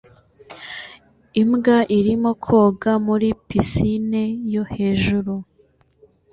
Imbwa irimo koga muri pisine yo hejuru